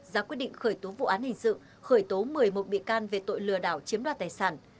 ra quyết định khởi tố vụ án hình sự khởi tố một mươi một bị can về tội lừa đảo chiếm đoạt tài sản